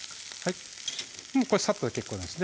これさっとで結構なんです